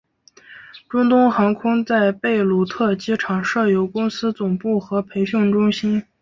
中东航空在贝鲁特机场设有公司总部和培训中心。